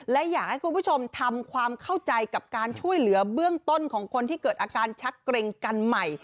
และอยากให้คุณผู้ชมทำความเข้าใจกับการช่วยเหลือเบื้องต้นของคนที่เกิดอาการชักเกร็งกันใหม่